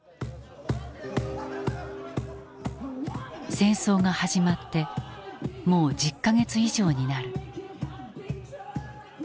戦争が始まってもう１０か月以上になる。